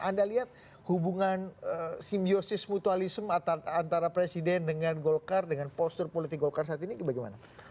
anda lihat hubungan simbiosis mutualisme antara presiden dengan golkar dengan postur politik golkar saat ini bagaimana